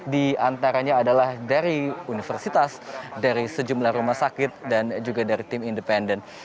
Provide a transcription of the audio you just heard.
di antaranya adalah dari universitas dari sejumlah rumah sakit dan juga dari tim independen